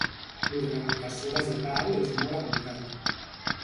L'ornamentació vegetal és molt abundant.